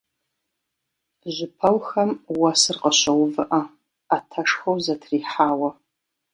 Жьыпэухэм уэсыр къыщоувыӀэ, Ӏэтэшхуэу зэтрихьауэ.